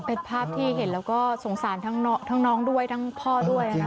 เป็นภาพที่เห็นแล้วก็สงสารทั้งน้องด้วยทั้งพ่อด้วย